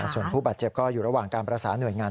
ส่วนผู้บาดเจ็บก็อยู่ระหว่างการประสานหน่วยงาน